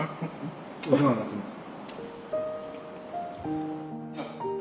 お世話になってます。